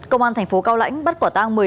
công an thành phố cao lãnh bắt quả tăng